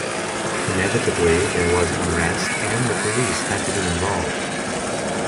Inevitably, there was unrest and the police had to be involved.